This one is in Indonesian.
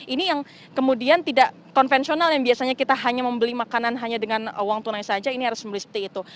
ini yang kemudian tidak konvensional yang biasanya kita hanya membeli makanan hanya dengan uang tunai saja ini harus membeli seperti itu